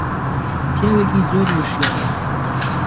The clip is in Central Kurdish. پیاوێکی زۆر وشیارم